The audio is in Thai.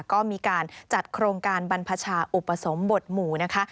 ก็มีการจัดโครงการบรรพชาอุปสมบทหมู่นะคะ